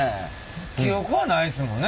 記憶はないですもんね